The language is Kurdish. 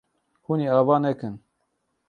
Hûn ê ava nekin.